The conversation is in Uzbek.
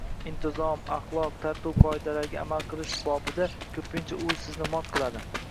Intizom, axloq, tartibu qoidaga amal qilish bobida… ko‘pincha u sizni mot qiladi